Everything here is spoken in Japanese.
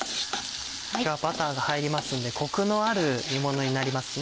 今日はバターが入りますのでコクのある煮物になりますね。